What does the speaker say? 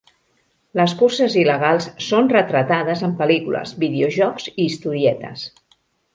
Les curses il·legals són retratades en pel·lícules, videojocs i historietes.